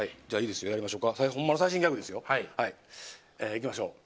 いきましょうか。